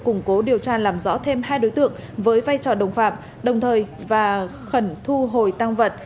củng cố điều tra làm rõ thêm hai đối tượng với vai trò đồng phạm đồng thời và khẩn thu hồi tăng vật